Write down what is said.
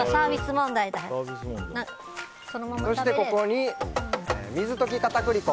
そしてここに水溶き片栗粉。